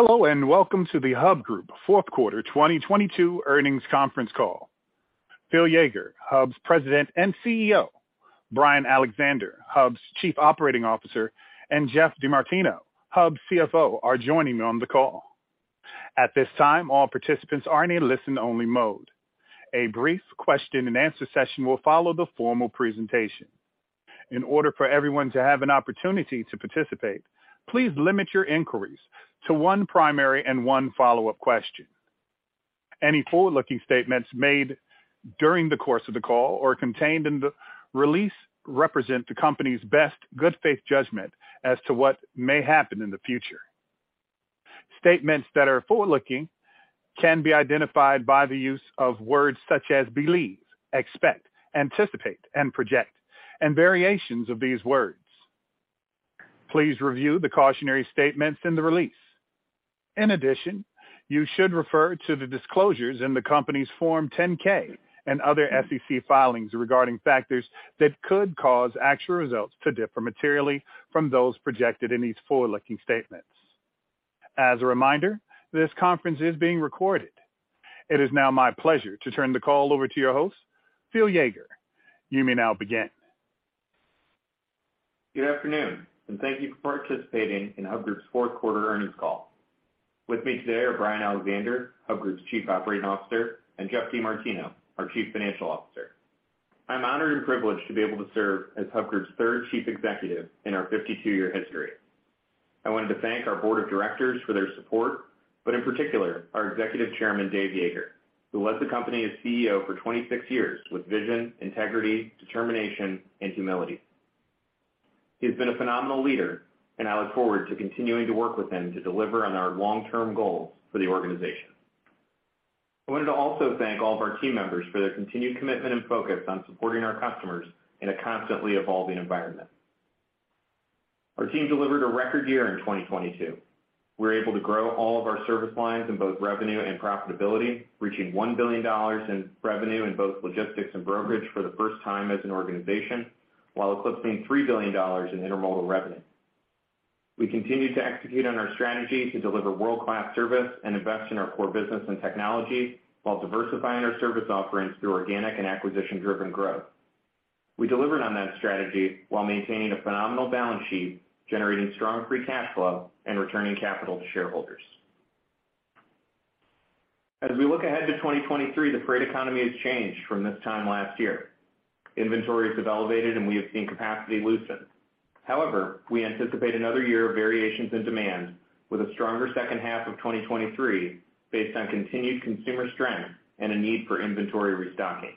Hello, welcome to the Hub Group Fourth Quarter 2022 earnings conference call. Phil Yeager, Hub's President and CEO, Brian Alexander, Hub's Chief Operating Officer, and Geoff DeMartino, Hub's CFO, are joining me on the call. At this time, all participants are in a listen-only mode. A brief question-and-answer session will follow the formal presentation. In order for everyone to have an opportunity to participate, please limit your inquiries to one primary and one follow-up question. Any forward-looking statements made during the course of the call or contained in the release represent the company's best good faith judgment as to what may happen in the future. Statements that are forward-looking can be identified by the use of words such as believe, expect, anticipate, and project, and variations of these words. Please review the cautionary statements in the release. In addition, you should refer to the disclosures in the company's Form 10-K and other SEC filings regarding factors that could cause actual results to differ materially from those projected in these forward-looking statements. As a reminder, this conference is being recorded. It is now my pleasure to turn the call over to your host, Phil Yeager. You may now begin. Good afternoon, and thank you for participating in Hub Group's fourth quarter earnings call. With me today are Brian Alexander, Hub Group's Chief Operating Officer, and Geoff DeMartino, our Chief Financial Officer. I'm honored and privileged to be able to serve as Hub Group's third chief executive in our 52-year history. I wanted to thank our board of directors for their support, but in particular, our Executive Chairman, David Yeager, who led the company as CEO for 26 years with vision, integrity, determination, and humility. He's been a phenomenal leader, and I look forward to continuing to work with him to deliver on our long-term goals for the organization. I wanted to also thank all of our team members for their continued commitment and focus on supporting our customers in a constantly evolving environment. Our team delivered a record year in 2022. We were able to grow all of our service lines in both revenue and profitability, reaching $1 billion in revenue in both logistics and brokerage for the first time as an organization, while eclipsing $3 billion in intermodal revenue. We continued to execute on our strategy to deliver world-class service and invest in our core business and technology while diversifying our service offerings through organic and acquisition-driven growth. We delivered on that strategy while maintaining a phenomenal balance sheet, generating strong free cash flow and returning capital to shareholders. As we look ahead to 2023, the freight economy has changed from this time last year. Inventories have elevated, and we have seen capacity loosen. We anticipate another year of variations in demand with a stronger second half of 2023 based on continued consumer strength and a need for inventory restocking.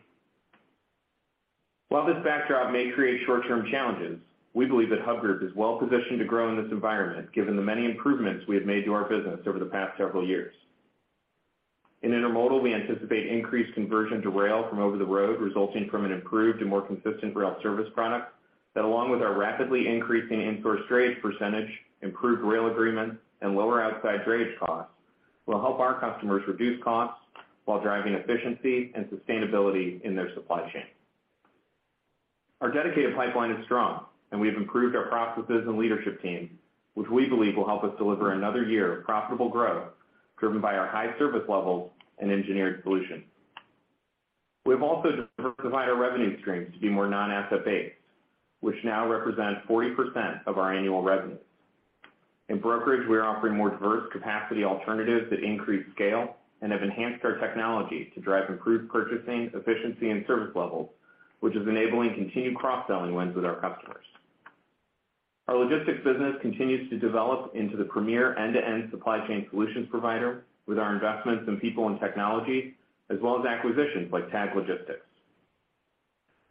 While this backdrop may create short-term challenges, we believe that Hub Group is well-positioned to grow in this environment, given the many improvements we have made to our business over the past several years. In intermodal, we anticipate increased conversion to rail from over the road, resulting from an improved and more consistent rail service product that, along with our rapidly increasing insourced drayage percentage, improved rail agreements, and lower outside drayage costs, will help our customers reduce costs while driving efficiency and sustainability in their supply chain. Our dedicated pipeline is strong, and we have improved our processes and leadership team, which we believe will help us deliver another year of profitable growth driven by our high service levels and engineered solutions. We have also diversified our revenue streams to be more non-asset-based, which now represents 40% of our annual revenue. In brokerage, we are offering more diverse capacity alternatives that increase scale and have enhanced our technology to drive improved purchasing efficiency and service levels, which is enabling continued cross-selling wins with our customers. Our logistics business continues to develop into the premier end-to-end supply chain solutions provider with our investments in people and technology, as well as acquisitions like TAGG Logistics.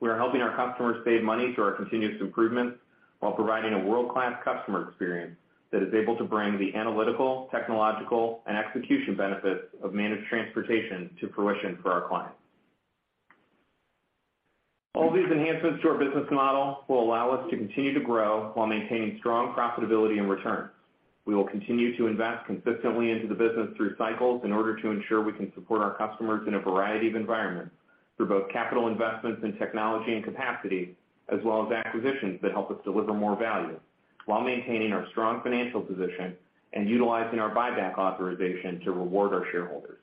We are helping our customers save money through our continuous improvements while providing a world-class customer experience that is able to bring the analytical, technological, and execution benefits of managed transportation to fruition for our clients. All these enhancements to our business model will allow us to continue to grow while maintaining strong profitability and returns. We will continue to invest consistently into the business through cycles in order to ensure we can support our customers in a variety of environments through both capital investments in technology and capacity, as well as acquisitions that help us deliver more value while maintaining our strong financial position and utilizing our buyback authorization to reward our shareholders.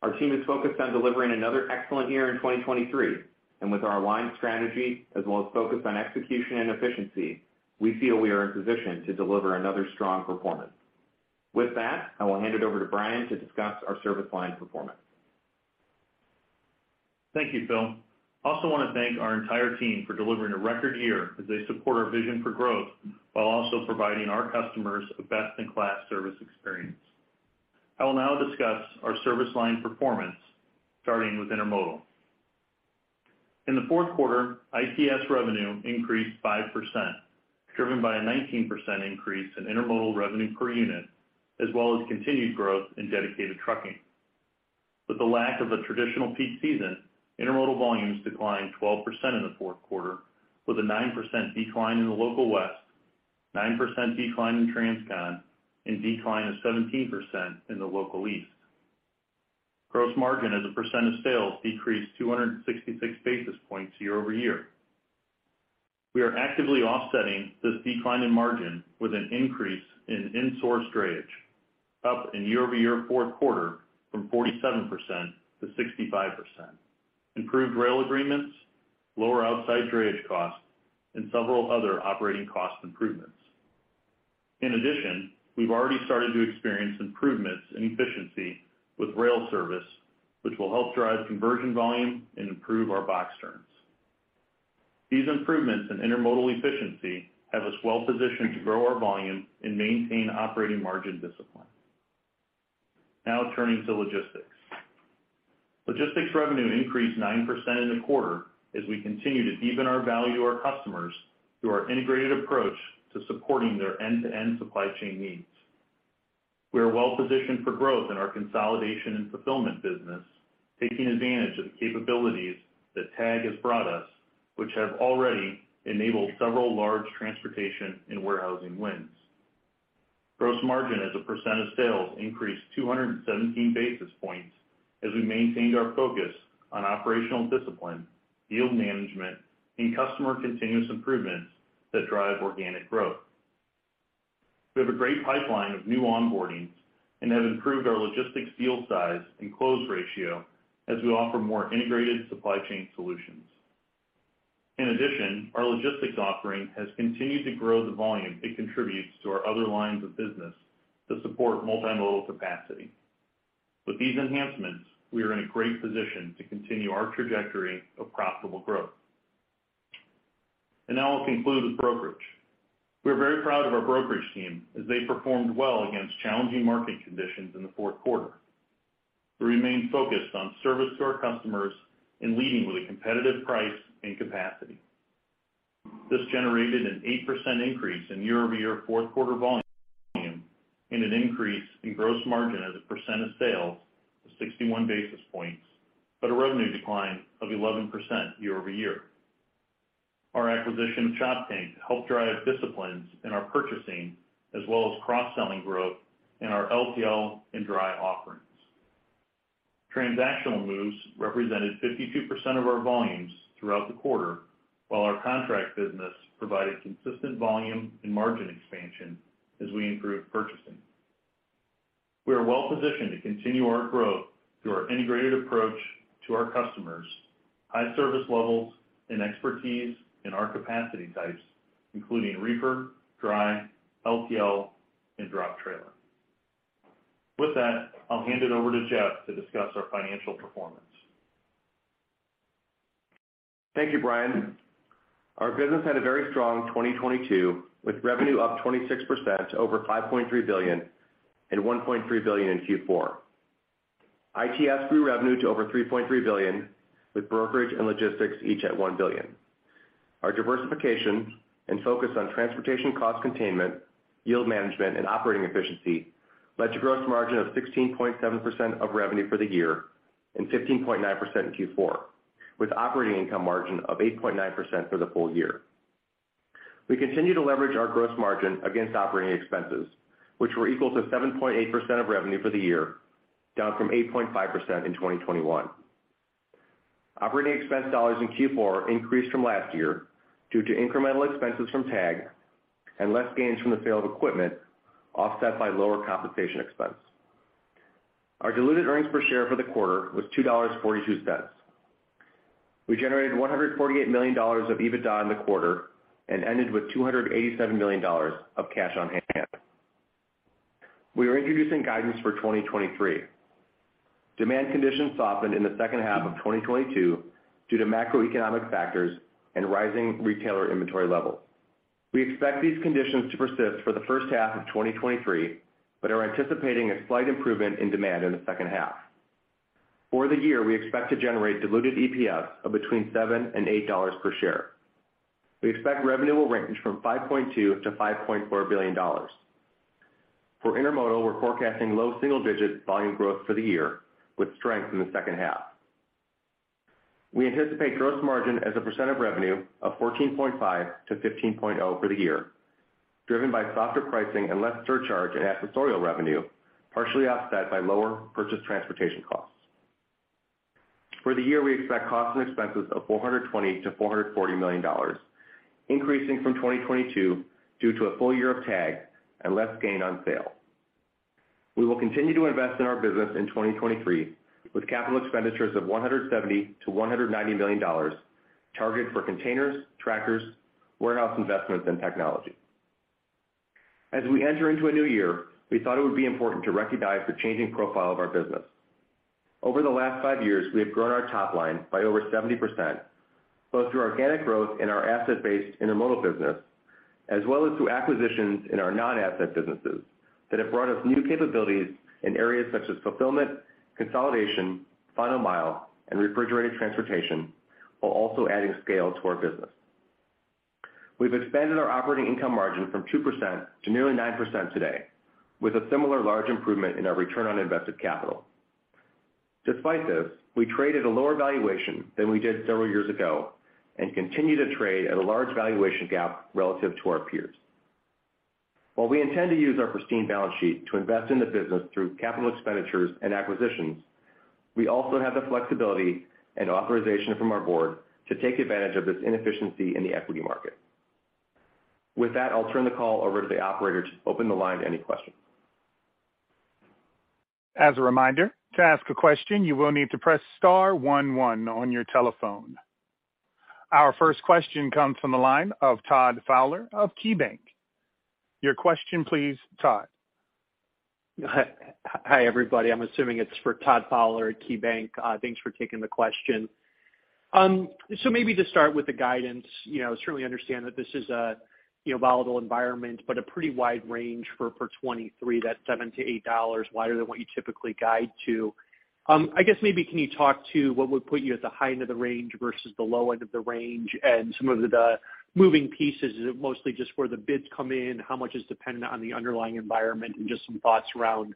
Our team is focused on delivering another excellent year in 2023. With our aligned strategy as well as focus on execution and efficiency, we feel we are in position to deliver another strong performance. With that, I will hand it over to Brian to discuss our service line performance. Thank you, Phil. Also want to thank our entire team for delivering a record year as they support our vision for growth while also providing our customers a best-in-class service experience. I will now discuss our service line performance, starting with intermodal. In the fourth quarter, ITS revenue increased 5%, driven by a 19% increase in intermodal revenue per unit, as well as continued growth in dedicated trucking. With the lack of a traditional peak season, intermodal volumes declined 12% in the fourth quarter, with a 9% decline in the Local West, 9% decline in Transcon, and decline of 17% in the Local East. Gross margin as a percent of sales decreased 266 basis points year-over-year. We are actively offsetting this decline in margin with an increase in insourced drayage, up in year-over-year fourth quarter from 47% to 65%. Improved rail agreements, lower outside drayage costs, and several other operating cost improvements. In addition, we've already started to experience improvements in efficiency with rail service, which will help drive conversion volume and improve our box turns. These improvements in intermodal efficiency have us well-positioned to grow our volume and maintain operating margin discipline. Now turning to logistics. Logistics revenue increased 9% in the quarter as we continue to deepen our value to our customers through our integrated approach to supporting their end-to-end supply chain needs. We are well-positioned for growth in our consolidation and fulfillment business, taking advantage of the capabilities that TAGG has brought us, which have already enabled several large transportation and warehousing wins. Gross margin as a percent of sales increased 217 basis points as we maintained our focus on operational discipline, yield management, and customer continuous improvements that drive organic growth. We have a great pipeline of new onboardings and have improved our logistics deal size and close ratio as we offer more integrated supply chain solutions. Our logistics offering has continued to grow the volume it contributes to our other lines of business to support multimodal capacity. With these enhancements, we are in a great position to continue our trajectory of profitable growth. I'll conclude with brokerage. We are very proud of our brokerage team as they performed well against challenging market conditions in the fourth quarter. We remain focused on service to our customers and leading with a competitive price and capacity. This generated an 8% increase in year-over-year fourth quarter volume and an increase in gross margin as a percent of sales to 61 basis points, but a revenue decline of 11% year-over-year. Our acquisition of Choptank helped drive disciplines in our purchasing as well as cross-selling growth in our LTL and dry offerings. Transactional moves represented 52% of our volumes throughout the quarter, while our contract business provided consistent volume and margin expansion as we improved purchasing. We are well-positioned to continue our growth through our integrated approach to our customers, high service levels, and expertise in our capacity types, including reefer, dry, LTL, and drop trailer. With that, I'll hand it over to Geoff to discuss our financial performance. Thank you, Brian. Our business had a very strong 2022, with revenue up 26% to over $5.3 billion and $1.3 billion in Q4. ITS grew revenue to over $3.3 billion, with brokerage and logistics each at $1 billion. Our diversification and focus on transportation cost containment, yield management, and operating efficiency led to gross margin of 16.7% of revenue for the year and 15.9% in Q4, with operating income margin of 8.9% for the full year. We continue to leverage our gross margin against operating expenses, which were equal to 7.8% of revenue for the year, down from 8.5% in 2021. Operating expense dollars in Q4 increased from last year due to incremental expenses from TAGG and less gains from the sale of equipment, offset by lower compensation expense. Our diluted EPS for the quarter was $2.42. We generated $148 million of EBITDA in the quarter and ended with $287 million of cash on hand. We are introducing guidance for 2023. Demand conditions softened in the second half of 2022 due to macroeconomic factors and rising retailer inventory levels. We expect these conditions to persist for the first half of 2023, but are anticipating a slight improvement in demand in the second half. For the year, we expect to generate diluted EPS of between $7 and $8 per share. We expect revenue will range from $5.2 billion-$5.4 billion. For intermodal, we're forecasting low single-digit volume growth for the year, with strength in the second half. We anticipate gross margin as a percent of revenue of 14.5%-15.0% for the year, driven by softer pricing and less surcharge and accessorial revenue, partially offset by lower purchase transportation costs. For the year, we expect costs and expenses of $420 million-$440 million, increasing from 2022 due to a full year of TAGG and less gain on sale. We will continue to invest in our business in 2023, with capital expenditures of $170 million-$190 million targeted for containers, tractors, warehouse investments, and technology. As we enter into a new year, we thought it would be important to recognize the changing profile of our business. Over the last five years, we have grown our top line by over 70%, both through organic growth in our asset-based intermodal business as well as through acquisitions in our non-asset businesses that have brought us new capabilities in areas such as fulfillment, consolidation, final mile, and refrigerated transportation, while also adding scale to our business. We've expanded our operating income margin from 2% to nearly 9% today, with a similar large improvement in our return on invested capital. Despite this, we traded a lower valuation than we did several years ago and continue to trade at a large valuation gap relative to our peers. While we intend to use our pristine balance sheet to invest in the business through capital expenditures and acquisitions, we also have the flexibility and authorization from our board to take advantage of this inefficiency in the equity market. With that, I'll turn the call over to the operator to open the line to any questions. As a reminder, to ask a question, you will need to press star one one on your telephone. Our first question comes from the line of Todd Fowler of KeyBanc. Your question, please, Todd. Hi, everybody. I'm assuming it's for Todd Fowler at KeyBanc. Thanks for taking the question. Maybe to start with the guidance, you know, certainly understand that this is a, you know, volatile environment, but a pretty wide range for 2023, that $7-$8, wider than what you typically guide to. I guess maybe can you talk to what would put you at the high end of the range versus the low end of the range and some of the moving pieces? Is it mostly just where the bids come in? How much is dependent on the underlying environment? Just some thoughts around,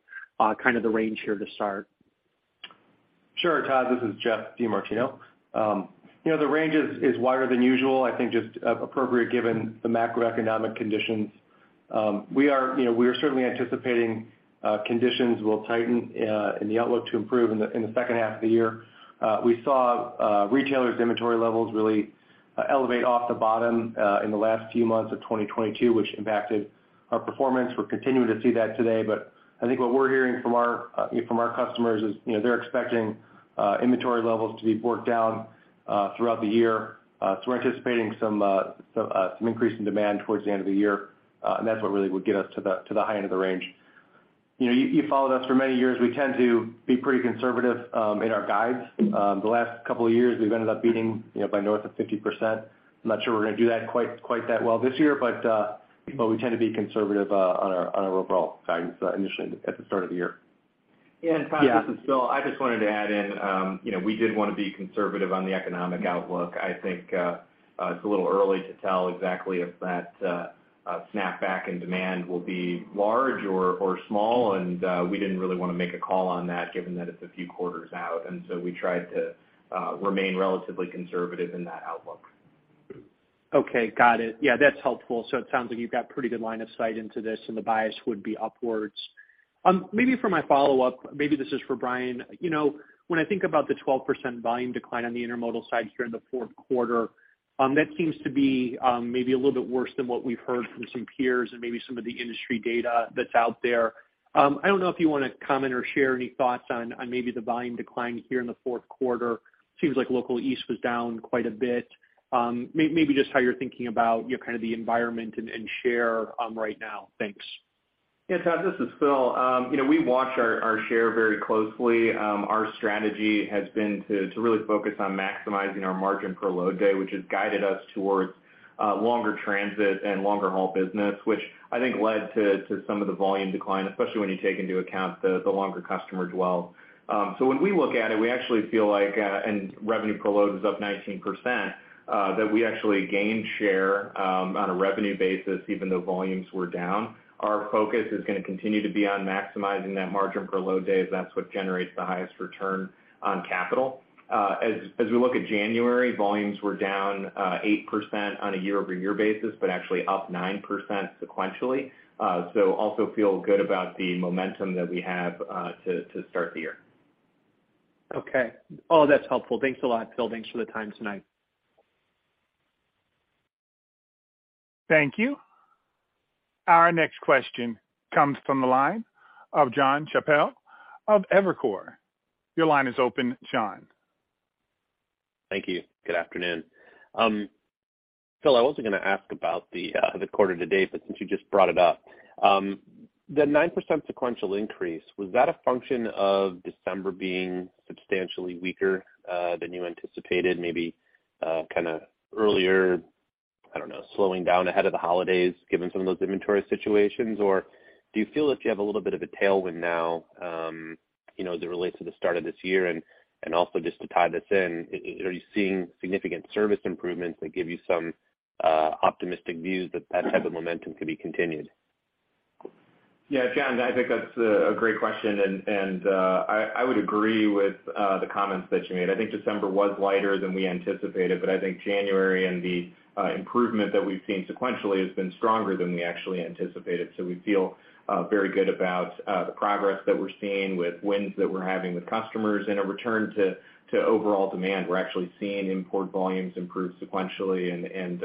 kind of the range here to start. Sure, Todd. This is Geoff DeMartino. You know, the range is wider than usual, I think just appropriate given the macroeconomic conditions. We are, you know, we are certainly anticipating conditions will tighten and the outlook to improve in the second half of the year. We saw retailers inventory levels really elevate off the bottom in the last few months of 2022, which impacted our performance. We're continuing to see that today. I think what we're hearing from our customers is, you know, they're expecting inventory levels to be worked down throughout the year. We're anticipating some increase in demand towards the end of the year, and that's what really would get us to the high end of the range. You know, you followed us for many years. We tend to be pretty conservative in our guides. The last couple of years, we've ended up beating, you know, by north of 50%. I'm not sure we're gonna do that quite that well this year, we tend to be conservative on our overall guidance initially at the start of the year. Yeah, Todd, this is Phil. I just wanted to add in, you know, we did wanna be conservative on the economic outlook. I think it's a little early to tell exactly if that snapback and demand will be large or small, and we didn't really wanna make a call on that given that it's a few quarters out. We tried to remain relatively conservative in that outlook. Okay. Got it. Yeah, that's helpful. It sounds like you've got pretty good line of sight into this, and the bias would be upwards. Maybe for my follow-up, maybe this is for Brian. You know, when I think about the 12% volume decline on the intermodal side here in the fourth quarter, that seems to be maybe a little bit worse than what we've heard from some peers and maybe some of the industry data that's out there. I don't know if you wanna comment or share any thoughts on maybe the volume decline here in the fourth quarter. Seems like Local East was down quite a bit. Maybe just how you're thinking about your kind of the environment and share right now. Thanks. Yeah, Todd, this is Phil. You know, we watch our share very closely. Our strategy has been to really focus on maximizing our margin per load day, which has guided us towards longer transit and longer haul business, which I think led to some of the volume decline, especially when you take into account the longer customer dwell. When we look at it, we actually feel like, and revenue per load is up 19%, that we actually gained share on a revenue basis, even though volumes were down. Our focus is gonna continue to be on maximizing that margin per load day, as that's what generates the highest return on capital. As we look at January, volumes were down 8% on a year-over-year basis, but actually up 9% sequentially. Also feel good about the momentum that we have to start the year. Okay. All that's helpful. Thanks a lot, Phil. Thanks for the time tonight. Thank you. Our next question comes from the line of Jon Chappell of Evercore. Your line is open, Jon. Thank you. Good afternoon. Phil, I wasn't gonna ask about the quarter to date, since you just brought it up. The 9% sequential increase, was that a function of December being substantially weaker than you anticipated, maybe, kind of earlier, I don't know, slowing down ahead of the holidays given some of those inventory situations? Do you feel that you have a little bit of a tailwind now, you know, as it relates to the start of this year? Also just to tie this in, are you seeing significant service improvements that give you some optimistic views that that type of momentum could be continued? Yeah, John, I think that's a great question, and I would agree with the comments that you made. I think December was lighter than we anticipated, but I think January and the improvement that we've seen sequentially has been stronger than we actually anticipated. We feel very good about the progress that we're seeing with wins that we're having with customers and a return to overall demand. We're actually seeing import volumes improve sequentially and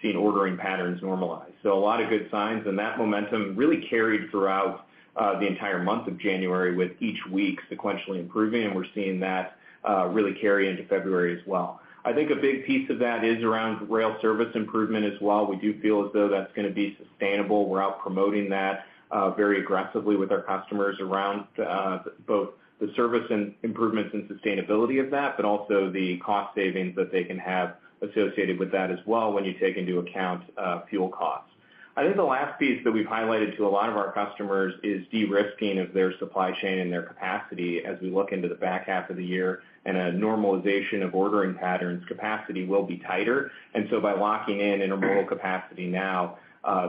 seeing ordering patterns normalize. A lot of good signs, and that momentum really carried throughout the entire month of January with each week sequentially improving, and we're seeing that really carry into February as well. I think a big piece of that is around rail service improvement as well. We do feel as though that's gonna be sustainable. We're out promoting that, very aggressively with our customers around both the service and improvements and sustainability of that, but also the cost savings that they can have associated with that as well when you take into account fuel costs. I think the last piece that we've highlighted to a lot of our customers is de-risking of their supply chain and their capacity. As we look into the back half of the year and a normalization of ordering patterns, capacity will be tighter. By locking in intermodal capacity now,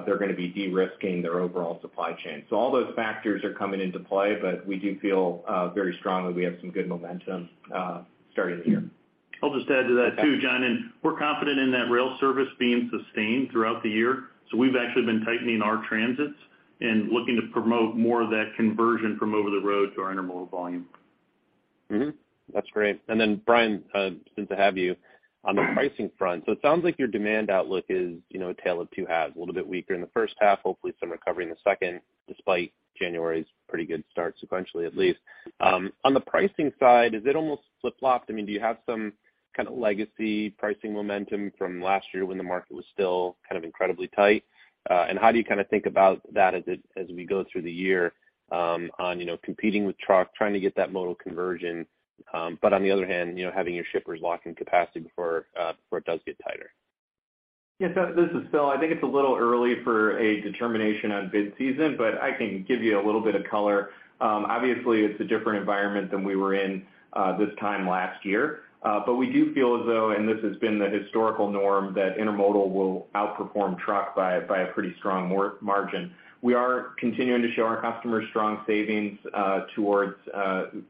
they're gonna be de-risking their overall supply chain. All those factors are coming into play, but we do feel very strongly we have some good momentum starting the year. I'll just add to that too, Jon. We're confident in that rail service being sustained throughout the year, so we've actually been tightening our transits and looking to promote more of that conversion from over the road to our intermodal volume. That's great. Brian, since I have you, on the pricing front, it sounds like your demand outlook is, you know, a tale of two halves, a little bit weaker in the first half, hopefully some recovery in the second, despite January's pretty good start sequentially, at least. On the pricing side, is it almost flip-flopped? I mean, do you have some kind of legacy pricing momentum from last year when the market was still kind of incredibly tight? How do you kind of think about that as we go through the year, on, you know, competing with truck, trying to get that modal conversion, but on the other hand, you know, having your shippers lock in capacity before it does get tighter? Yes. This is Phil. I think it's a little early for a determination on bid season, but I can give you a little bit of color. Obviously, it's a different environment than we were in this time last year. But we do feel as though, and this has been the historical norm, that intermodal will outperform truck by a pretty strong margin. We are continuing to show our customers strong savings towards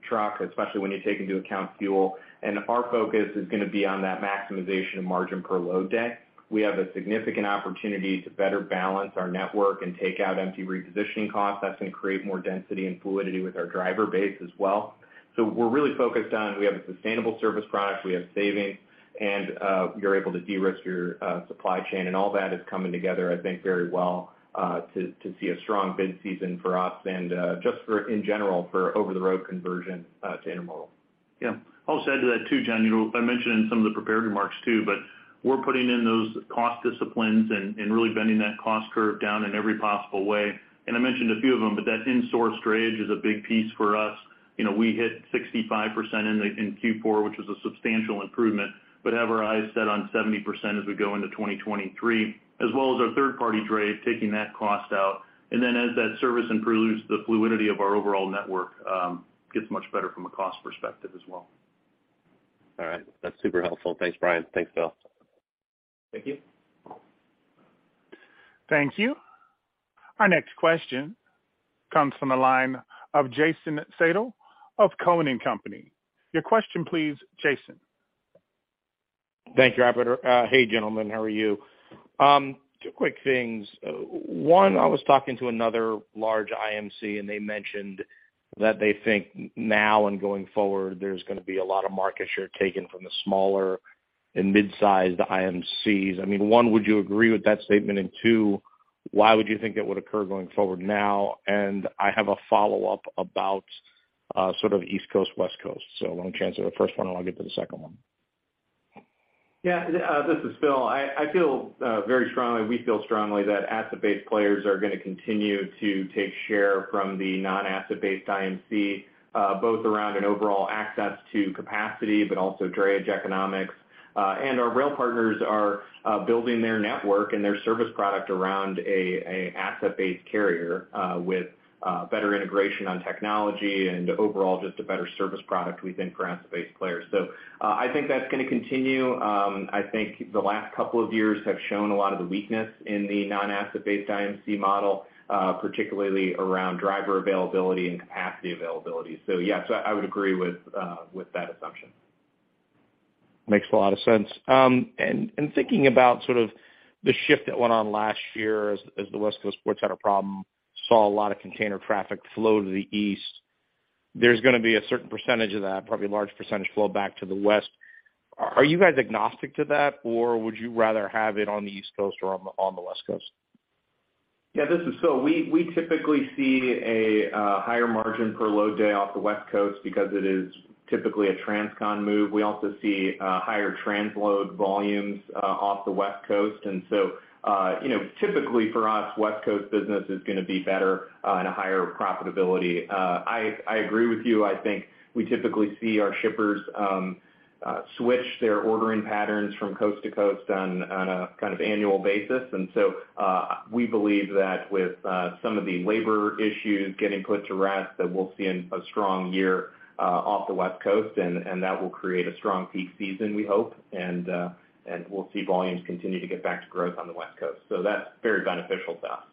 truck, especially when you take into account fuel. Our focus is gonna be on that maximization of margin per load day. We have a significant opportunity to better balance our network and take out empty repositioning costs. That's gonna create more density and fluidity with our driver base as well. We're really focused on we have a sustainable service product, we have savings, and you're able to de-risk your supply chain, and all that is coming together, I think, very well, to see a strong bid season for us and just for in general for over-the-road conversion to intermodal. Yeah. I'll just add to that too, Jon. You know, I mentioned in some of the prepared remarks too, but we're putting in those cost disciplines and really bending that cost curve down in every possible way. I mentioned a few of them, but that insourced drayage is a big piece for us. You know, we hit 65% in Q4, which is a substantial improvement, but have our eyes set on 70% as we go into 2023, as well as our third-party drayage, taking that cost out. Then as that service improves, the fluidity of our overall network gets much better from a cost perspective as well. All right. That's super helpful. Thanks, Brian. Thanks, Phil. Thank you. Thank you. Our next question comes from the line of Jason Seidl of Cowen and Company. Your question, please, Jason. Thank you, operator. Hey, gentlemen, how are you? Two quick things. One, I was talking to another large IMC, and they mentioned that they think now and going forward, there's gonna be a lot of market share taken from the smaller and mid-sized IMCs. I mean, one, would you agree with that statement? Two, why would you think it would occur going forward now? I have a follow-up about, sort of East Coast, West Coast. Long chance of the first one, I'll get to the second one. Yeah. This is Phil. I feel very strongly, we feel strongly that asset-based players are gonna continue to take share from the non-asset-based IMC, both around an overall access to capacity, also drayage economics. Our rail partners are building their network and their service product around a asset-based carrier, with better integration on technology and overall just a better service product, we think, for asset-based players. I think that's gonna continue. I think the last couple of years have shown a lot of the weakness in the non-asset-based IMC model, particularly around driver availability and capacity availability. Yes, I would agree with that assumption. Makes a lot of sense. Thinking about sort of the shift that went on last year as the West Coast ports had a problem, saw a lot of container traffic flow to the east, there's gonna be a certain percentage of that, probably a large percentage flow back to the West. Are you guys agnostic to that, or would you rather have it on the East Coast or on the West Coast? Yeah, this is Phil. We typically see a higher margin per load day off the West Coast because it is typically a transcon move. We also see higher transload volumes off the West Coast. You know, typically for us, West Coast business is gonna be better and a higher profitability. I agree with you. I think we typically see our shippers switch their ordering patterns from coast to coast on a kind of annual basis. We believe that with some of the labor issues getting put to rest, that we'll see a strong year off the West Coast, and that will create a strong peak season, we hope. We'll see volumes continue to get back to growth on the West Coast. That's very beneficial to us.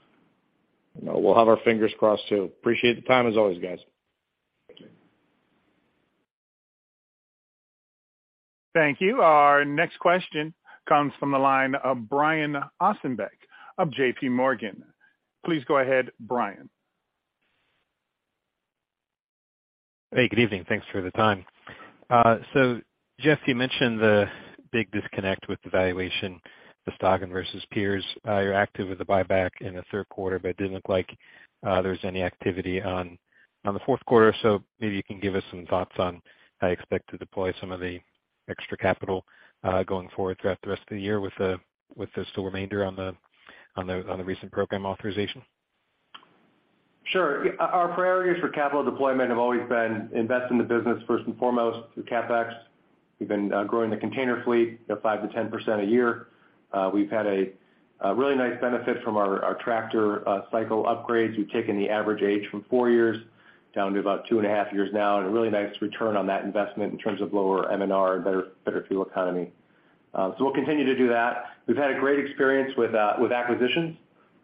We'll have our fingers crossed too. Appreciate the time as always, guys. Thank you. Thank you. Our next question comes from the line of Brian Ossenbeck of JPMorgan. Please go ahead, Brian. Hey, good evening. Thanks for the time. Geoff, you mentioned the big disconnect with the valuation, the stock and versus peers. You're active with the buyback in the third quarter, but it didn't look like there was any activity on the fourth quarter. Maybe you can give us some thoughts on how you expect to deploy some of the extra capital going forward throughout the rest of the year with the still remainder on the recent program authorization. Sure. Our priorities for capital deployment have always been invest in the business first and foremost through CapEx. We've been growing the container fleet at 5%-10% a year. We've had a really nice benefit from our tractor cycle upgrades. We've taken the average age from four years down to about two and a half years now, and a really nice return on that investment in terms of lower M&R and better fuel economy. We'll continue to do that. We've had a great experience with acquisitions,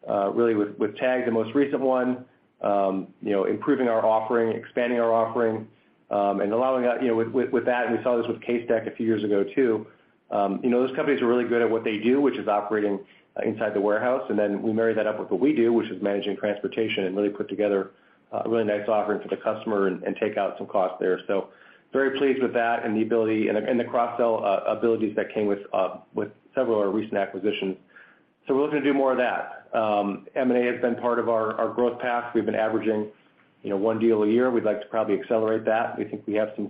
really with TAGG, the most recent one, you know, improving our offering, expanding our offering, and allowing that, you know, with that, and we saw this with CaseStack a few years ago too. You know, those companies are really good at what they do, which is operating inside the warehouse, and then we marry that up with what we do, which is managing transportation and really put together a really nice offering for the customer and take out some costs there. Very pleased with that and the ability and the cross-sell abilities that came with several of our recent acquisitions. We're looking to do more of that. M&A has been part of our growth path. We've been averaging, you know, one deal a year. We'd like to probably accelerate that. We think we have a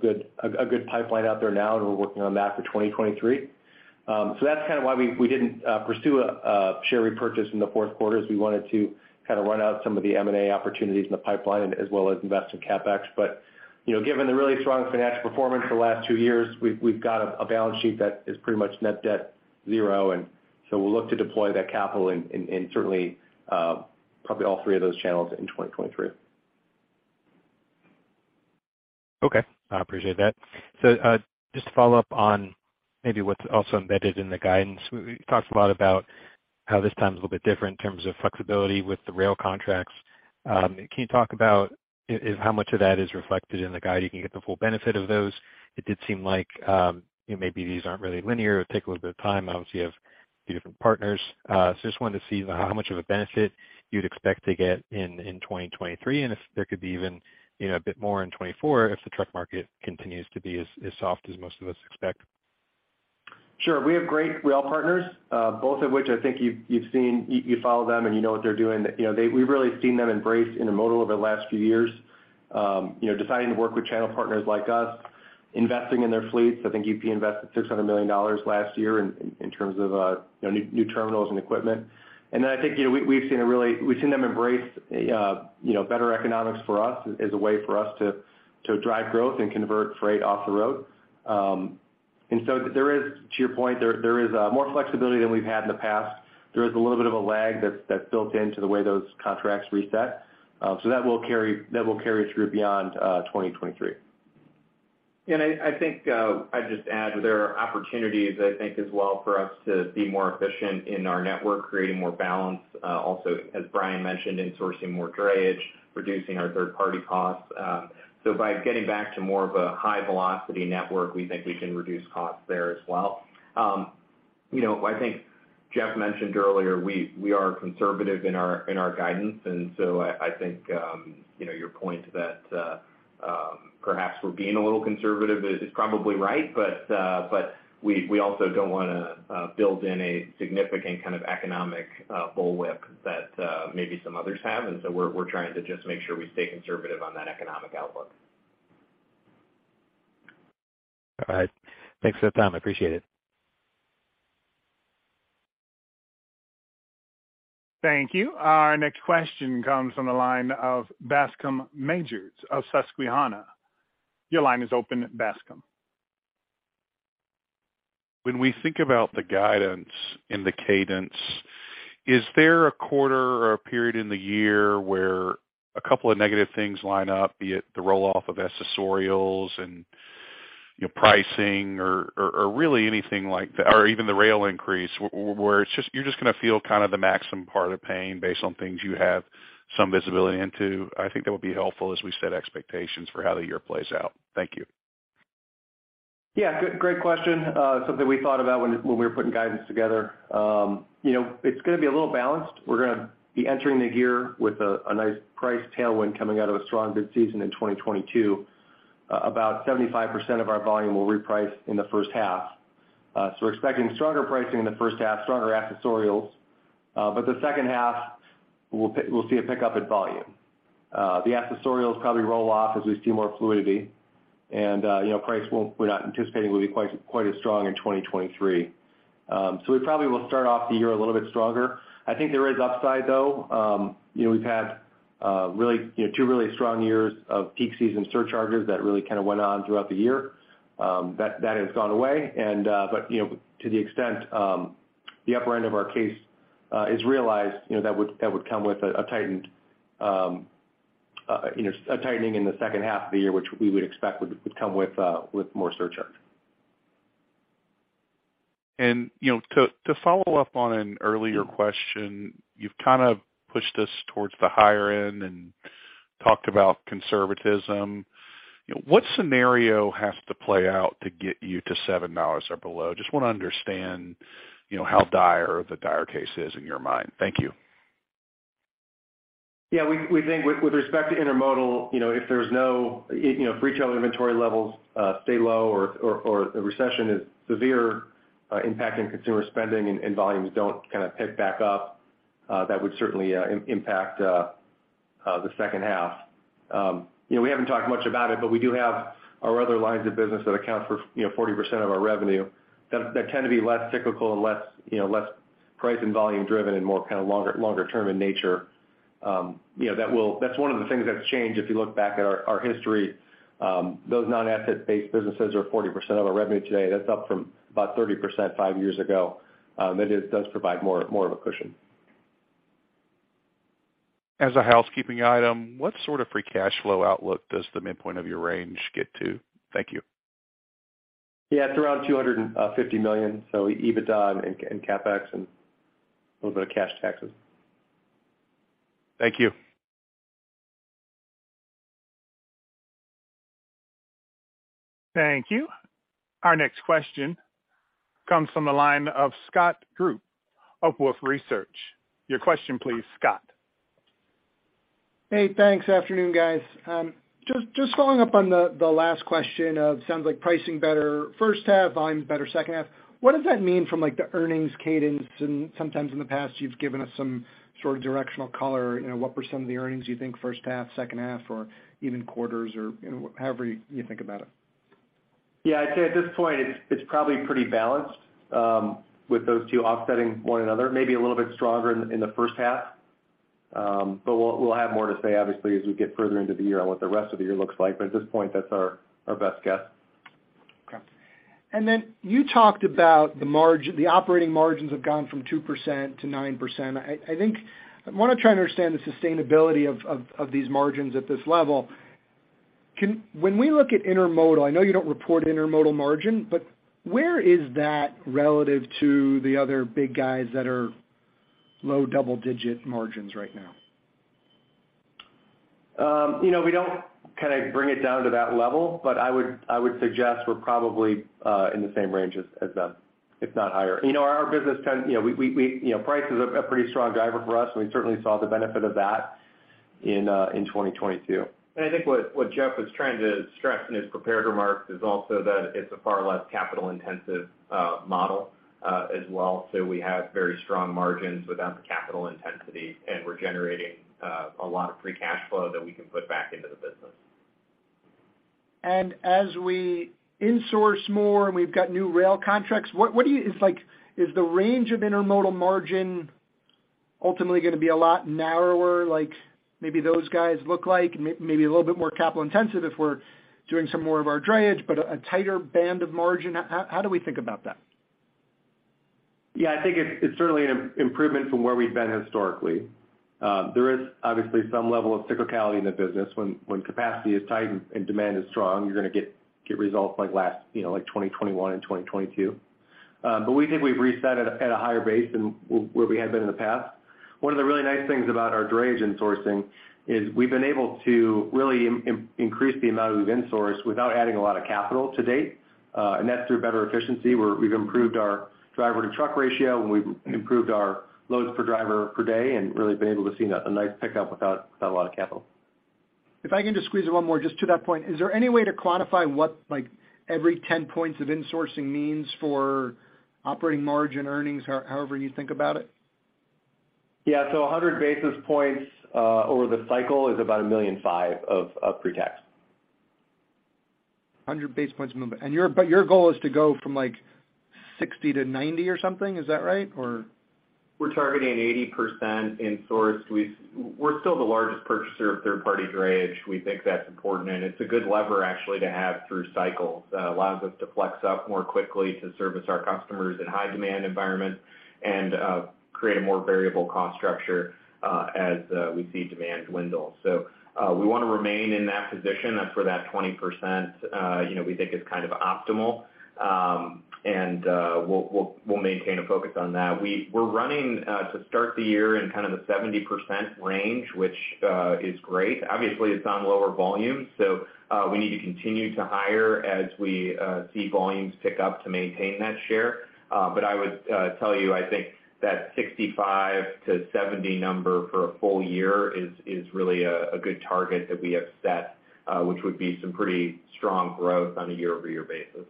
good pipeline out there now, and we're working on that for 2023. That's kind of why we didn't pursue a share repurchase in the fourth quarter, is we wanted to kind of run out some of the M&A opportunities in the pipeline as well as invest in CapEx. You know, given the really strong financial performance the last two years, we've got a balance sheet that is pretty much net debt zero. We'll look to deploy that capital in certainly, probably all three of those channels in 2023. Okay. I appreciate that. Just to follow up on maybe what's also embedded in the guidance. We talked a lot about how this time is a little bit different in terms of flexibility with the rail contracts. Can you talk about if how much of that is reflected in the guide, you can get the full benefit of those? It did seem like, you know, maybe these aren't really linear. It would take a little bit of time. Obviously, you have a few different partners. Just wanted to see how much of a benefit you'd expect to get in 2023, and if there could be even, you know, a bit more in 2024 if the truck market continues to be as soft as most of us expect. Sure. We have great rail partners, both of which I think you've seen. You follow them, you know what they're doing. You know, we've really seen them embrace intermodal over the last few years, you know, deciding to work with channel partners like us, investing in their fleets. I think UP invested $600 million last year in terms of, you know, new terminals and equipment. I think, you know, we've seen them embrace, you know, better economics for us as a way for us to drive growth and convert freight off the road. There is, to your point, there is more flexibility than we've had in the past. There is a little bit of a lag that's built into the way those contracts reset. That will carry through beyond 2023. I think, I'd just add there are opportunities, I think, as well for us to be more efficient in our network, creating more balance, also, as Brian mentioned, in sourcing more drayage, reducing our third-party costs. By getting back to more of a high-velocity network, we think we can reduce costs there as well. you know, I think Geoff DeMartino mentioned earlier, we are conservative in our guidance, I think, you know, your point that, perhaps we're being a little conservative is probably right, but we also don't wanna, build in a significant kind of economic, bullwhip that, maybe some others have. We're trying to just make sure we stay conservative on that economic outlook. All right. Thanks for the time. I appreciate it. Thank you. Our next question comes from the line of Bascome Majors of Susquehanna. Your line is open, Bascome. When we think about the guidance and the cadence, is there a quarter or a period in the year where a couple of negative things line up, be it the roll-off of accessorials and, you know, pricing or really anything like that, or even the rail increase, where it's just, you're just gonna feel kind of the maximum part of the pain based on things you have some visibility into? I think that would be helpful as we set expectations for how the year plays out. Thank you. Yeah, good, great question. Something we thought about when we were putting guidance together. You know, it's gonna be a little balanced. We're gonna be entering the year with a nice price tailwind coming out of a strong bid season in 2022. About 75% of our volume will reprice in the first half. We're expecting stronger pricing in the first half, stronger accessorials. The second half we'll see a pickup at volume. The accessorials probably roll off as we see more fluidity, and, you know, price won't, we're not anticipating will be quite as strong in 2023. We probably will start off the year a little bit stronger. I think there is upside, though. You know, we've had, really, you know, two really strong years of peak season surcharges that really kind of went on throughout the year, that has gone away. You know, to the extent the upper end of our case is realized, you know, that would come with a tightened, you know, a tightening in the second half of the year, which we would expect would come with more surcharges. You know, to follow up on an earlier question, you've kind of pushed us towards the higher end and talked about conservatism. You know, what scenario has to play out to get you to $7 or below? Just wanna understand, you know, how dire the dire case is in your mind. Thank you. We think with respect to intermodal, you know, if there's no, you know, if retailer inventory levels stay low or the recession is severe, impacting consumer spending and volumes don't kind of pick back up, that would certainly impact the second half. You know, we haven't talked much about it, but we do have our other lines of business that account for, you know, 40% of our revenue that tend to be less cyclical and less, you know, less price and volume driven and more kind of longer term in nature. You know, that's one of the things that's changed if you look back at our history. Those non-asset-based businesses are 40% of our revenue today. That's up from about 30% five years ago. That is, does provide more, more of a cushion. As a housekeeping item, what sort of free cash flow outlook does the midpoint of your range get to? Thank you. Yeah, it's around $250 million, so EBITDA and CapEx and a little bit of cash taxes. Thank you. Thank you. Our next question comes from the line of Scott Group of Wolfe Research. Your question please, Scott. Hey, thanks. Afternoon, guys. just following up on the last question of sounds like pricing better first half, volumes better second half. What does that mean from, like, the earnings cadence? Sometimes in the past, you've given us some sort of directional color. You know, what percent of the earnings you think first half, second half, or even quarters or, you know, however you think about it. I'd say at this point it's probably pretty balanced with those two offsetting one another, maybe a little bit stronger in the first half. We'll have more to say obviously as we get further into the year on what the rest of the year looks like. At this point, that's our best guess. Okay. You talked about the operating margins have gone from 2% to 9%. I think I want to try and understand the sustainability of these margins at this level. When we look at intermodal, I know you don't report intermodal margin, but where is that relative to the other big guys that are low double digit margins right now? you know, we don't kinda bring it down to that level, but I would suggest we're probably in the same range as them, if not higher. You know, our business tends, you know, price is a pretty strong driver for us, and we certainly saw the benefit of that in 2022. I think what Geoff was trying to stress in his prepared remarks is also that it's a far less capital intensive model as well. We have very strong margins without the capital intensity, and we're generating a lot of free cash flow that we can put back into the business. As we insource more and we've got new rail contracts, is the range of intermodal margin ultimately gonna be a lot narrower, like maybe those guys look like? Maybe a little bit more capital intensive if we're doing some more of our drayage, but a tighter band of margin. How do we think about that? I think it's certainly an improvement from where we've been historically. There is obviously some level of cyclicality in the business. When capacity is tight and demand is strong, you're gonna get results like last, you know, like 2021 and 2022. We think we've reset at a higher base than where we had been in the past. One of the really nice things about our drayage insourcing is we've been able to really increase the amount we've insourced without adding a lot of capital to date. That's through better efficiency, where we've improved our driver-to-truck ratio, and we've improved our loads per driver per day and really been able to see a nice pickup without a lot of capital. If I can just squeeze one more just to that point. Is there any way to quantify what, like, every 10 points of insourcing means for operating margin earnings, however you think about it? Yeah. 100 basis points over the cycle is about $1.5 million of pre-tax. 100 basis points movement. But your goal is to go from like 60 to 90 or something, is that right or? We're targeting 80% insourced. We're still the largest purchaser of third-party drayage. We think that's important, and it's a good lever actually to have through cycles. It allows us to flex up more quickly to service our customers in high demand environments and create a more variable cost structure as we see demand dwindle. We wanna remain in that position for that 20%, you know, we think is kind of optimal. We'll maintain a focus on that. We're running to start the year in kind of the 70% range, which is great. Obviously, it's on lower volumes, we need to continue to hire as we see volumes pick up to maintain that share. I would tell you, I think that 65-70 number for a full year is really a good target that we have set, which would be some pretty strong growth on a year-over-year basis.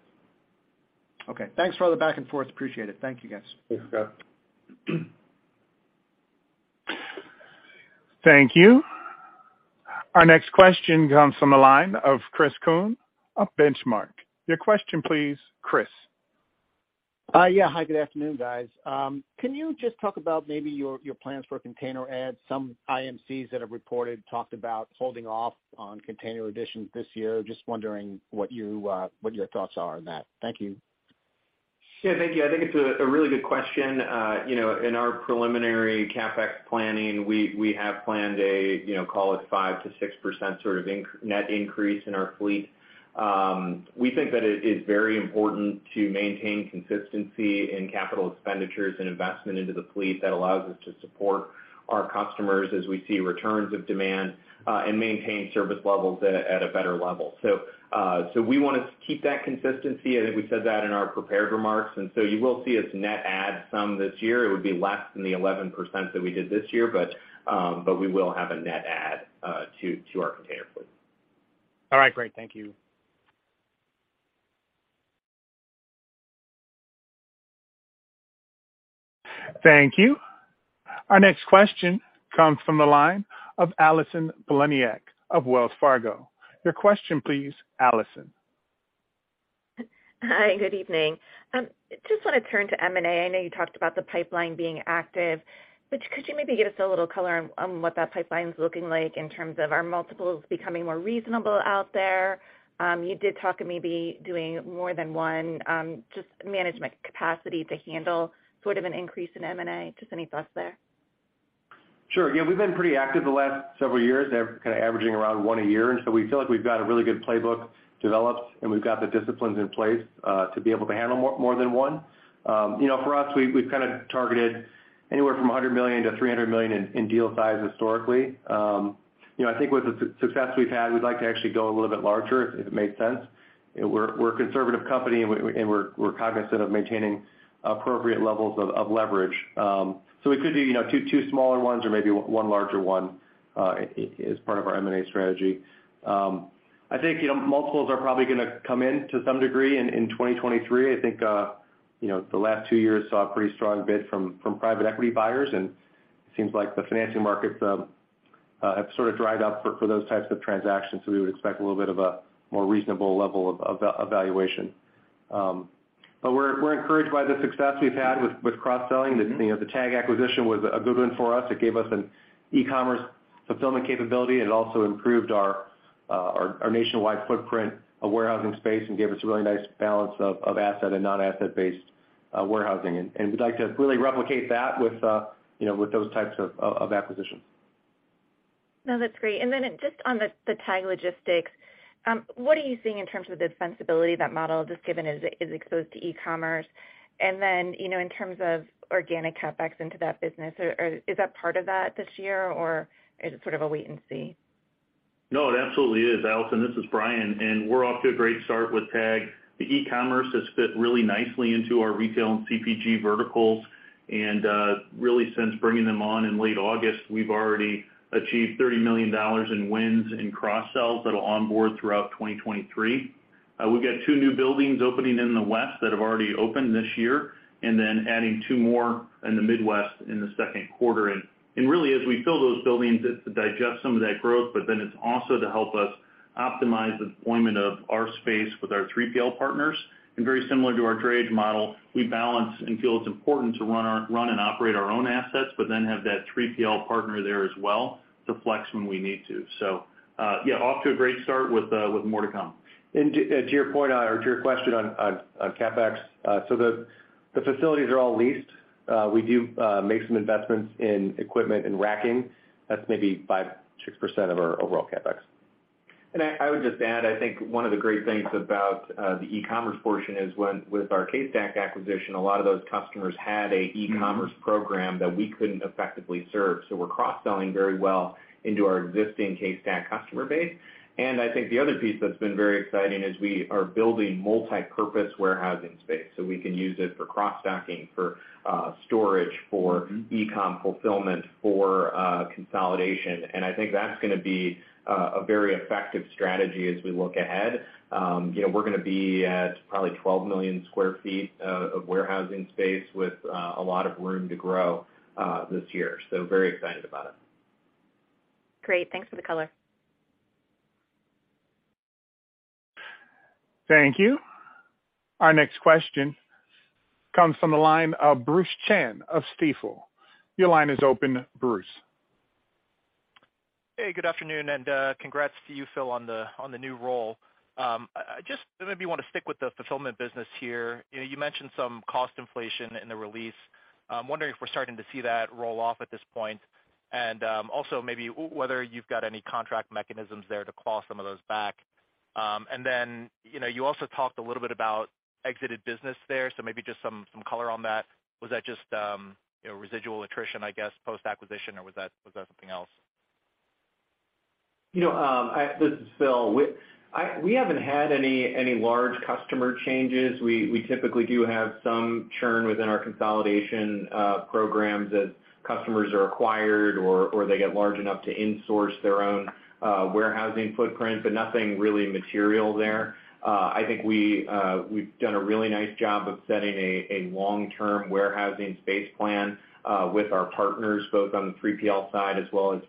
Okay. Thanks for all the back and forth. Appreciate it. Thank you, guys. Thanks, Scott. Thank you. Our next question comes from the line of Chris Kuhn of Benchmark. Your question, please, Chris. Yeah. Hi, good afternoon, guys. Can you just talk about maybe your plans for container adds? Some IMCs that have reported talked about holding off on container additions this year. Just wondering what you, what your thoughts are on that. Thank you. Yeah, thank you. I think it's a really good question. You know, in our preliminary CapEx planning, we have planned a, you know, call it 5%-6% sort of net increase in our fleet. We think that it is very important to maintain consistency in capital expenditures and investment into the fleet that allows us to support our customers as we see returns of demand, and maintain service levels at a better level. We wanna keep that consistency, I think we said that in our prepared remarks, you will see us net add some this year. It would be less than the 11% that we did this year, but we will have a net add to our container fleet. All right, great. Thank you. Thank you. Our next question comes from the line of Allison Poliniak of Wells Fargo. Your question, please, Allison. Hi, good evening. Just wanna turn to M&A. I know you talked about the pipeline being active, but could you maybe give us a little color on what that pipeline's looking like in terms of are multiples becoming more reasonable out there? You did talk of maybe doing more than one, just management capacity to handle sort of an increase in M&A. Just any thoughts there? Sure. Yeah, we've been pretty active the last several years, they're kind of averaging around one a year. We feel like we've got a really good playbook developed, and we've got the disciplines in place to be able to handle more than one. You know, for us, we've kind of targeted anywhere from $100 million-$300 million in deal size historically. You know, I think with the success we've had, we'd like to actually go a little bit larger if it makes sense. You know, we're a conservative company and we're cognizant of maintaining appropriate levels of leverage. We could do, you know, two smaller ones or maybe one larger one as part of our M&A strategy. I think, you know, multiples are probably gonna come in to some degree in 2023. I think, you know, the last two years saw a pretty strong bid from private equity buyers, and it seems like the financing markets have sort of dried up for those types of transactions. We would expect a little bit of a more reasonable level of valuation. But we're encouraged by the success we've had with cross-selling. The, you know, TAGG acquisition was a good win for us. It gave us an e-commerce fulfillment capability. It also improved our nationwide footprint of warehousing space and gave us a really nice balance of asset and non-asset-based warehousing. We'd like to really replicate that with, you know, with those types of acquisition. No, that's great. Just on the TAGG Logistics, what are you seeing in terms of the defensibility that model just given as it is exposed to e-commerce? You know, in terms of organic CapEx into that business, or, is that part of that this year, or is it sort of a wait and see? No, it absolutely is. Allison, this is Brian. We're off to a great start with TAGG. The e-commerce has fit really nicely into our retail and CPG verticals, really since bringing them on in late August, we've already achieved $30 million in wins and cross-sells that are on board throughout 2023. We've got two new buildings opening in the West that have already opened this year, adding two more in the Midwest in the second quarter. Really as we fill those buildings, it's to digest some of that growth, it's also to help us optimize the deployment of our space with our 3PL partners. Very similar to our drayage model, we balance and feel it's important to run and operate our own assets, but then have that 3PL partner there as well to flex when we need to. Yeah, off to a great start with more to come. To your point or to your question on CapEx, so the facilities are all leased. We do make some investments in equipment and racking. That's maybe 5%-6% of our overall CapEx. I would just add, I think one of the great things about the e-commerce portion is when with our CaseStack acquisition, a lot of those customers had a e-commerce program that we couldn't effectively serve. We're cross-selling very well into our existing CaseStack customer base. I think the other piece that's been very exciting is we are building multipurpose warehousing space, so we can use it for cross-stacking, for storage, for e-com fulfillment, for consolidation. I think that's gonna be a very effective strategy as we look ahead. You know, we're gonna be at probably 12 million sq ft of warehousing space with a lot of room to grow this year. Very excited about it. Great. Thanks for the color. Thank you. Our next question comes from the line of Bruce Chan of Stifel. Your line is open, Bruce. Hey, good afternoon. Congrats to you, Phil, on the new role. I just maybe wanna stick with the fulfillment business here. You know, you mentioned some cost inflation in the release. I'm wondering if we're starting to see that roll-off at this point, and also maybe whether you've got any contract mechanisms there to claw some of those back. You know, you also talked a little bit about exited business there, so maybe just some color on that. Was that just, you know, residual attrition, I guess, post-acquisition, or was that something else? You know, this is Phil. We haven't had any large customer changes. We, we typically do have some churn within our consolidation programs as customers are acquired or they get large enough to insource their own warehousing footprint, nothing really material there. I think we've done a really nice job of setting a long-term warehousing space plan with our partners, both on the 3PL side as well as,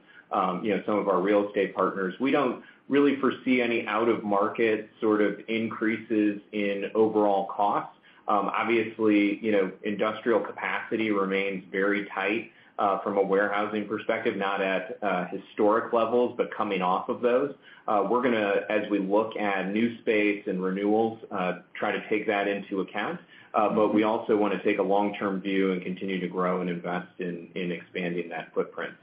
you know, some of our real estate partners. We don't really foresee any out-of-market sort of increases in overall costs. Obviously, you know, industrial capacity remains very tight from a warehousing perspective, not at historic levels, but coming off of those. We're gonna, as we look at new space and renewals, try to take that into account. We also wanna take a long-term view and continue to grow and invest in expanding that footprint.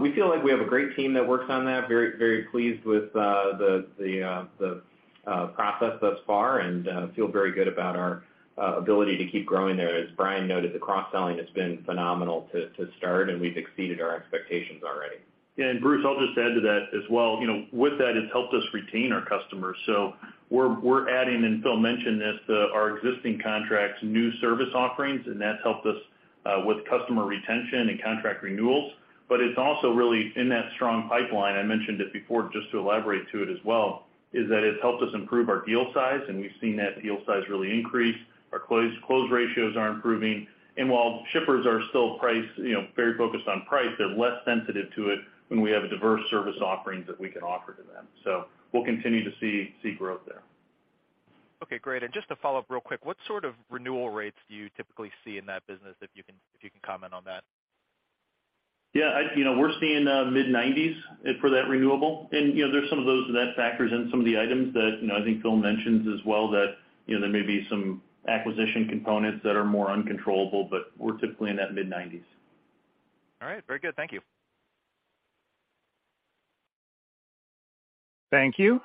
We feel like we have a great team that works on that. Very, very pleased with the process thus far, and feel very good about our ability to keep growing there. As Brian noted, the cross-selling has been phenomenal to start, and we've exceeded our expectations already. Bruce, I'll just add to that as well. You know, with that, it's helped us retain our customers. We're adding, and Phil mentioned this, our existing contracts, new service offerings, and that's helped us with customer retention and contract renewals. It's also really in that strong pipeline. I mentioned it before, just to elaborate to it as well, is that it's helped us improve our deal size, and we've seen that deal size really increase. Our close ratios are improving. While shippers are still price, you know, very focused on price, they're less sensitive to it when we have a diverse service offerings that we can offer to them. We'll continue to see growth there. Okay, great. Just to follow up real quick, what sort of renewal rates do you typically see in that business, if you can, if you can comment on that? Yeah, you know, we're seeing mid-nineties for that renewable. You know, there's some of those that factors in some of the items that, you know, I think Phil mentions as well that, you know, there may be some acquisition components that are more uncontrollable, but we're typically in that mid-nineties. All right. Very good. Thank you. Thank you.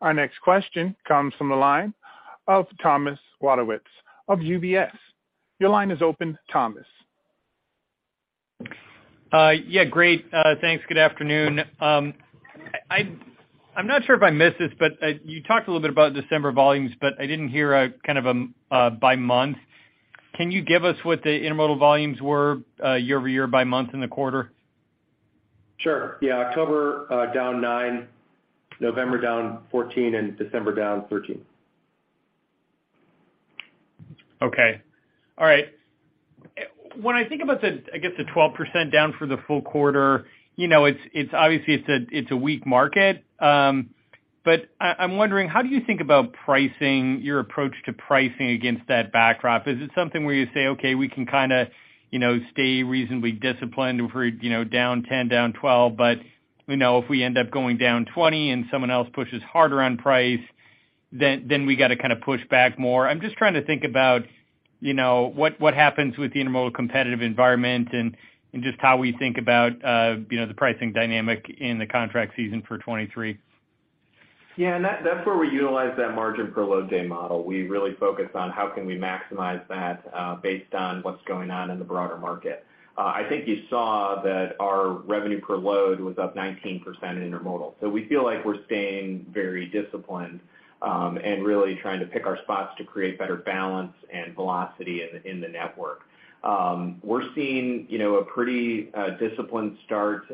Our next question comes from the line of Thomas Wadewitz of UBS. Your line is open, Thomas. Yeah, great. Thanks. Good afternoon. I'm not sure if I missed this, you talked a little bit about December volumes, but I didn't hear a kind of by month. Can you give us what the intermodal volumes were year-over-year by month in the quarter? Sure, yeah. October, down 9%, November down 14%, and December down 13%. Okay. All right. When I think about the, I guess the 12% down for the full quarter, you know, it's obviously it's a, it's a weak market. I'm wondering how do you think about pricing, your approach to pricing against that backdrop? Is it something where you say, okay, we can kinda, you know, stay reasonably disciplined if we're, you know, down 10%, down 12%. You know, if we end up going down 20% and someone else pushes harder on price, then we got to kind of push back more. I'm just trying to think about, you know, what happens with the intermodal competitive environment and just how we think about, you know, the pricing dynamic in the contract season for 2023. Yeah. That, that's where we utilize that margin per load day model. We really focus on how can we maximize that, based on what's going on in the broader market. I think you saw that our revenue per load was up 19% intermodal. We feel like we're staying very disciplined, and really trying to pick our spots to create better balance and velocity in the network. We're seeing, you know, a pretty disciplined start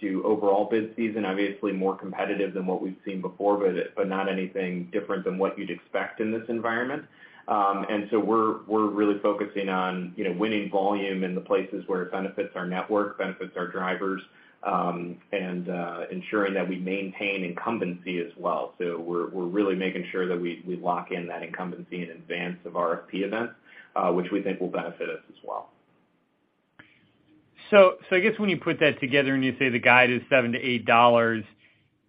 to overall bid season. Obviously more competitive than what we've seen before, but not anything different than what you'd expect in this environment. We're really focusing on, you know, winning volume in the places where it benefits our network, benefits our drivers, and ensuring that we maintain incumbency as well. We're really making sure that we lock in that incumbency in advance of RFP events, which we think will benefit us as well. I guess when you put that together and you say the guide is $7-$8,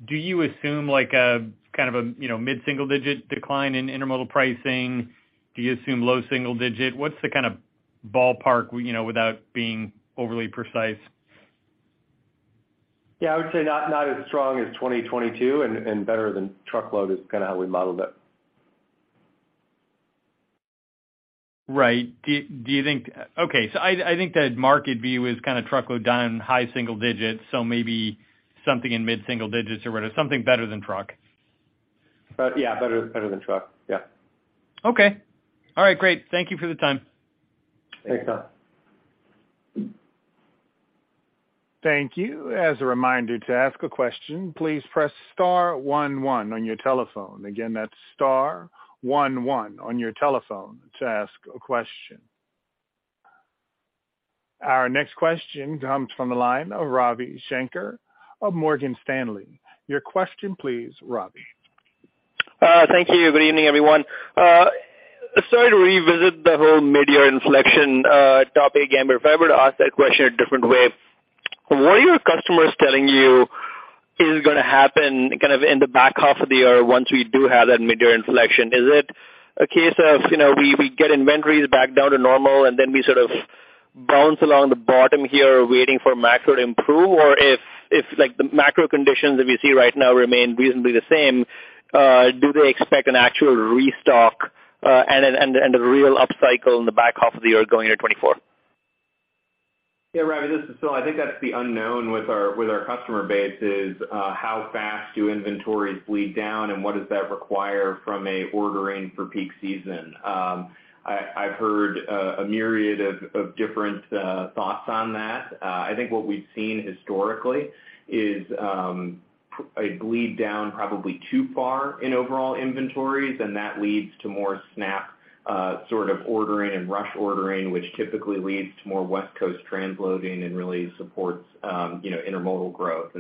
do you assume like a kind of a, you know, mid-single digit decline in intermodal pricing? Do you assume low single digit? What's the kind of ballpark, you know, without being overly precise? Yeah. I would say not as strong as 2022 and better than truckload is kind of how we modeled it. Right. Do you think? Okay. I think that market view is kind of truckload down high single digits, maybe something in mid-single digits or whatever, something better than truck. Yeah, better than truck. Yeah. Okay. All right, great. Thank you for the time. Thanks, Tom. Thank you. As a reminder to ask a question, please press star one one on your telephone. Again, that's star one one on your telephone to ask a question. Our next question comes from the line of Ravi Shanker of Morgan Stanley. Your question please, Ravi. Thank you. Good evening, everyone. Sorry to revisit the whole midyear inflection topic again. If I were to ask that question a different way, what are your customers telling you is gonna happen kind of in the back half of the year once we do have that midyear inflection? Is it a case of, you know, we get inventories back down to normal, and then we sort of bounce along the bottom here waiting for macro to improve? Or if like the macro conditions that we see right now remain reasonably the same, do they expect an actual restock, and a real upcycle in the back half of the year going into 2024? Ravi, this is Phil. I think that's the unknown with our, with our customer base is how fast do inventories bleed down, and what does that require from a ordering for peak season. I've heard a myriad of different thoughts on that. I think what we've seen historically is a bleed down probably too far in overall inventories, and that leads to more snap sort of ordering and rush ordering, which typically leads to more West Coast transloading and really supports, you know, intermodal growth.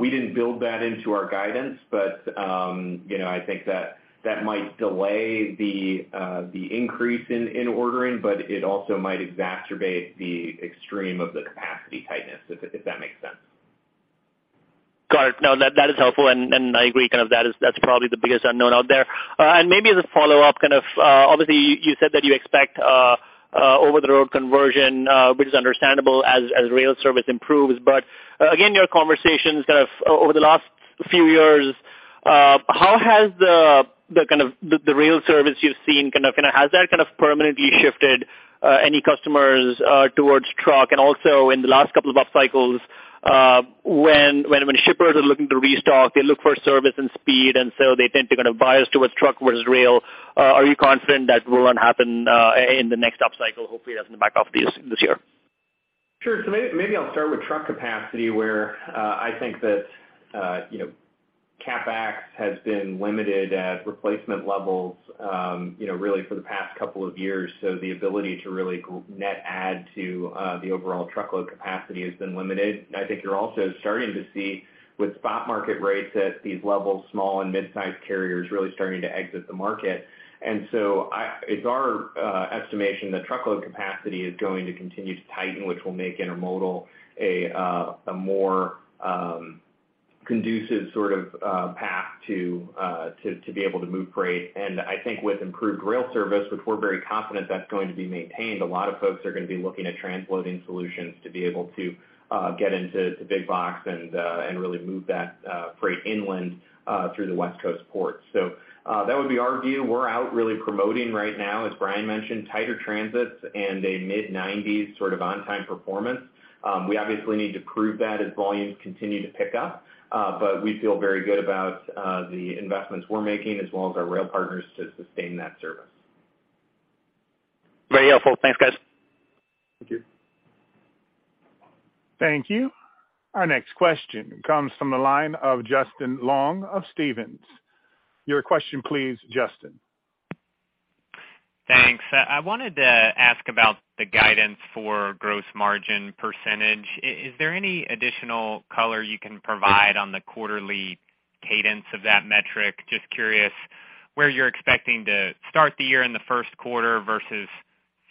We didn't build that into our guidance, but, you know, I think that that might delay the increase in ordering, but it also might exacerbate the extreme of the capacity tightness, if that makes sense. Got it. No, that is helpful, and I agree kind of that's probably the biggest unknown out there. Maybe as a follow-up kind of, obviously you said that you expect over-the-road conversion, which is understandable as rail service improves. Again, your conversations kind of over the last few years, how has the kind of the rail service you've seen kind of has that kind of permanently shifted any customers towards truck? Also in the last couple of up cycles, when shippers are looking to restock, they look for service and speed, and so they tend to kind of bias towards truck versus rail. Are you confident that will not happen in the next up cycle, hopefully that's in the back half of this year? Sure. Maybe I'll start with truck capacity, where I think that, you know, CapEx has been limited at replacement levels, you know, really for the past couple of years. The ability to really net add to the overall truckload capacity has been limited. I think you're also starting to see with spot market rates at these levels, small and mid-sized carriers really starting to exit the market. It's our estimation that truckload capacity is going to continue to tighten, which will make intermodal a more conducive sort of path to be able to move freight. I think with improved rail service, which we're very confident that's gonna be maintained, a lot of folks are gonna be looking at transloading solutions to be able to get into the big box and really move that freight inland through the West Coast ports. That would be our view. We're out really promoting right now, as Brian mentioned, tighter transits and a mid-90s sort of on-time performance. We obviously need to prove that as volumes continue to pick up, but we feel very good about the investments we're making as well as our rail partners to sustain that service. Very helpful. Thanks, guys. Thank you. Thank you. Our next question comes from the line of Justin Long of Stephens. Your question please, Justin. Thanks. I wanted to ask about the guidance for gross margin percentage. Is there any additional color you can provide on the quarterly cadence of that metric? Just curious where you're expecting to start the year in the first quarter versus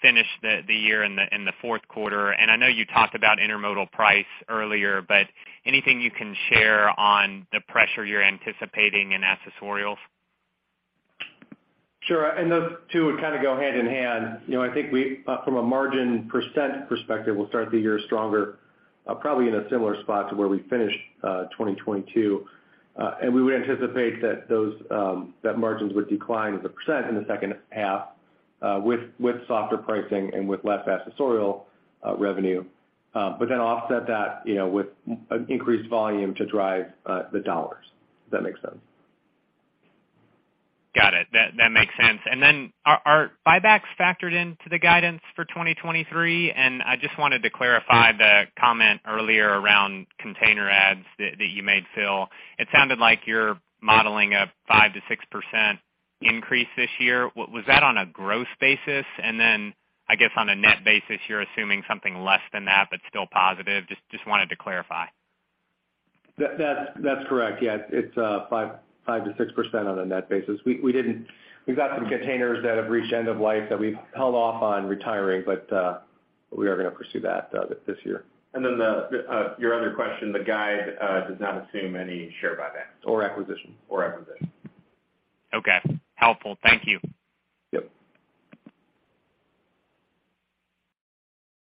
finish the year in the fourth quarter. I know you talked about intermodal price earlier, but anything you can share on the pressure you're anticipating in accessorials? Sure. Those two would kinda go hand in hand. You know, I think we, from a margin percent perspective, we'll start the year stronger, probably in a similar spot to where we finished, 2022. We would anticipate that those, that margins would decline as a percent in the second half, with softer pricing and with less accessorial revenue. Offset that, you know, with an increased volume to drive the dollars, if that makes sense. Got it. That makes sense. Are buybacks factored into the guidance for 2023? I just wanted to clarify the comment earlier around container adds that you made, Phil. It sounded like you're modeling a 5%-6% increase this year. Was that on a gross basis? I guess, on a net basis, you're assuming something less than that, but still positive? Just wanted to clarify. That's correct. Yes. It's 5% to 6% on a net basis. We've got some containers that have reached end of life that we've held off on retiring, we are gonna pursue that this year. The, your other question, the guide, does not assume any share buybacks. acquisitions. acquisitions. Okay. Helpful. Thank you. Yep.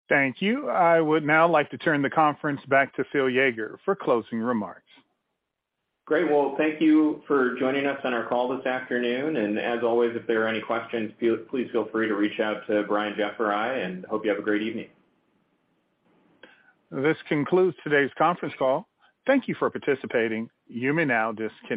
Thank you. I would now like to turn the conference back to Phil Yeager for closing remarks. Great. Well, thank you for joining us on our call this afternoon. As always, if there are any questions, please feel free to reach out to Brian, Jeff, or I. Hope you have a great evening. This concludes today's conference call. Thank you for participating. You may now disconnect.